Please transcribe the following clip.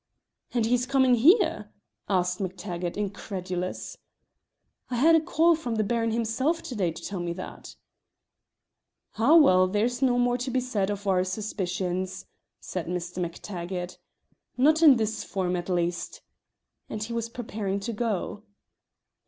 "And he's coming here?" asked MacTaggart, incredulous. "I had a call from the Baron himself to day to tell me that." "Ah, well, there's no more to be said of our suspicions," said MacTaggart. "Not in this form, at least." And he was preparing to go.